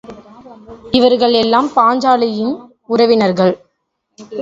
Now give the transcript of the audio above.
இவர்கள் எல்லாம் பாஞ்சாலியின் உறவினர்கள்.